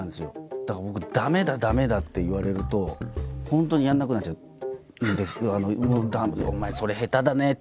だから僕「駄目だ駄目だ」って言われると本当にやらなくなっちゃうんです。